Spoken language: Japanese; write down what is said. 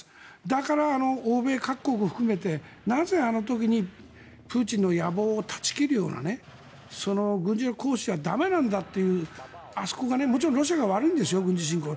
だから、欧米各国を含めてなぜあの時にプーチンの野望を断ち切るようなその軍事力行使じゃ駄目なんだというもちろんロシアが悪いんですよ軍事侵攻。